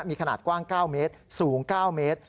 มีขนาดกว้าง๙เมตรสูง๙เมตร